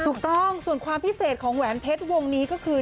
ถูกต้องส่วนความพิเศษของแหวนเพชรวงนี้ก็คือ